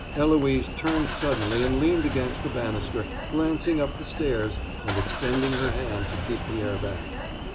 Eloise turned suddenly and leaned against the banister, glancing up the stairs, and extending her hand to keep Pierre back.